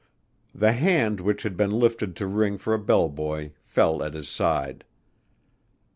The hand which had been lifted to ring for a bell boy fell at his side.